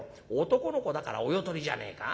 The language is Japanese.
男の子だからお世取りじゃねえか。